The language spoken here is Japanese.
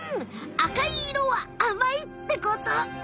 赤いいろはあまいってこと。